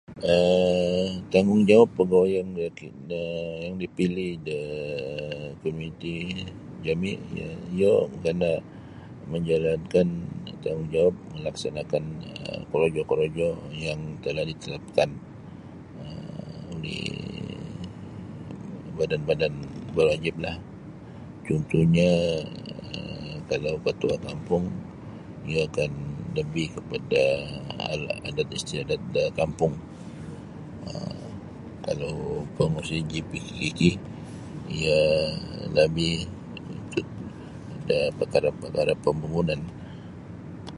um Tanggung jawab pegawai um yang dipilih da komuniti jami iyo kana menjalankan tanggungjawab melaksanakan korojo-korojo yang telah ditetapkan oleh badan-badan berwajiblah cuntuhnyo um kalau Ketua Kampung iyo akan lebih kepada adat istiadat da kampung kalau Pengerusi JKK iyo lebih da perkara-perkara pembangunan.